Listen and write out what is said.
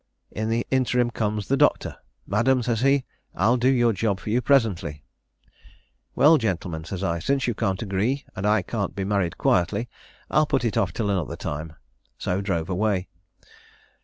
In the interim comes the Doctor. 'Madam,' says he, 'I'll do your job for you presently!' 'Well, gentlemen,' says I, 'since you can't agree, and I can't be married quietly, I'll put it off 'till another time:' so drove away.